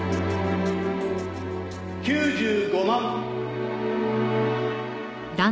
９５万。